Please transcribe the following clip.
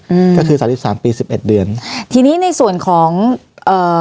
อืมก็คือสามสิบสามปีสิบเอ็ดเดือนทีนี้ในส่วนของเอ่อ